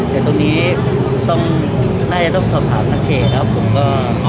แต่ตรงนี้น่าจะต้องสอบถามนักเขตครับผมก็